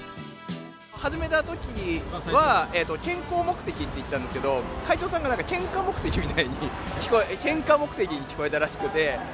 始めたときは、健康目的って言ったんですけど、会長さんが、なんかけんか目的みたいに聞こえたらしくて。